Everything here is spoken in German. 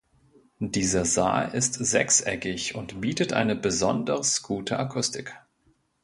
Dieser Saal ist sechseckig und bietet eine besonders gute Akustik.